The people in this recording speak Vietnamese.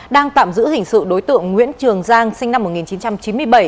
đang tạm giữ hình sự đối tượng nguyễn trường giang sinh năm một nghìn chín trăm chín mươi bảy